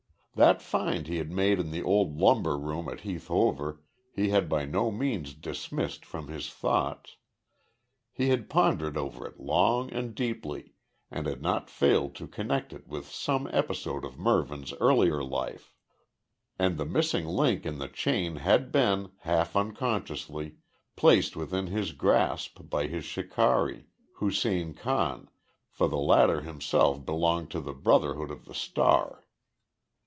That find he had made in the old lumber room at Heath Hover he had by no means dismissed from his thoughts. He had pondered over it long and deeply, and had not failed to connect it with some episode of Mervyn's earlier life. And the missing link in the chain had been, half unconsciously, placed within his grasp by his shikari, Hussein Khan, for the latter himself belonged to the Brotherhood of the Star.